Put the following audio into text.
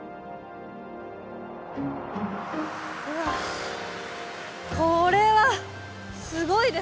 うわこれはすごいですね。